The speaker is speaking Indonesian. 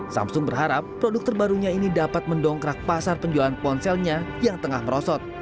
samsung berharap produk terbarunya ini dapat mendongkrak pasar penjualan ponselnya yang tengah merosot